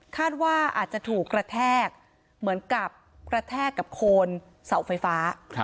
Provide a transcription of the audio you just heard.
คาดว่าอาจจะถูกกระแทกเหมือนกับกระแทกกับโคนเสาไฟฟ้า